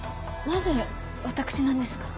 なぜ私なんですか？